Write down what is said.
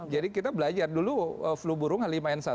jadi kita belajar dulu flu burung halimayan satu